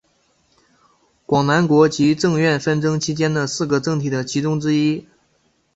广南国及郑阮纷争期间的四个政体的其中之一。